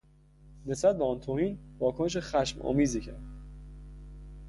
نسبت به آن توهین واکنش خشمآمیزی کرد.